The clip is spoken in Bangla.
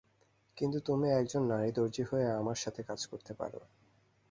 কিন্তু তুমি একজন নারীদর্জি হয়ে আমার সাথে কাজ করতে পারো।